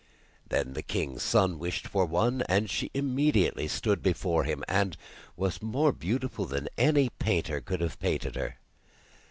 Then the king's son wished for one, and she immediately stood before him, and was more beautiful than any painter could have painted her.